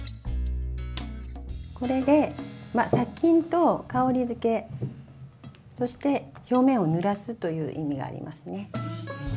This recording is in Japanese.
これでまあ殺菌と香りづけそして表面をぬらすという意味がありますね。